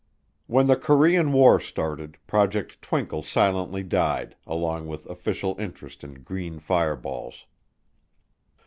When the Korean War started, Project Twinkle silently died, along with official interest in green fireballs.